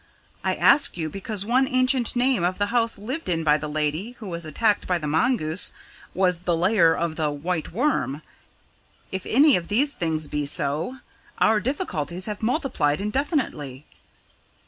I ask you because one ancient name of the house lived in by the lady who was attacked by the mongoose was 'The Lair of the White Worm.' If any of these things be so, our difficulties have multiplied indefinitely.